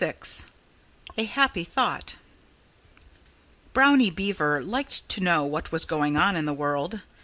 VI A HAPPY THOUGHT Brownie Beaver liked to know what was going on in the world.